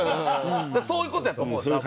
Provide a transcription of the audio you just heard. そういう事やと思う多分。